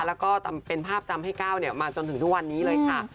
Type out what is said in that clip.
แล้วก็เป็นภาพจำให้ก้าวมาจนถึงทุกวันนี้เลยค่ะ